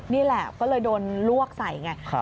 นี่แหละก็เลยโดนลวกใส่ไง